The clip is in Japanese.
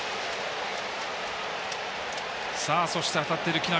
そして、当たっている木浪。